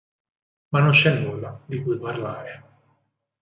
Ma non c'è nulla di cui parlare".